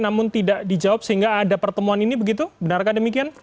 namun tidak dijawab sehingga ada pertemuan ini begitu benarkah demikian